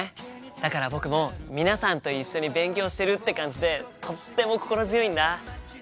だから僕も皆さんと一緒に勉強してるって感じでとっても心強いんだ。